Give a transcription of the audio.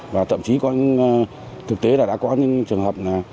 và thậm chí có những thực tế là đã có những trường hợp là